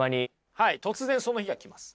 はい突然その日が来ます。